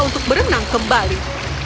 untuk berenang kembali